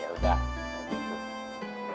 yaudah kita ikut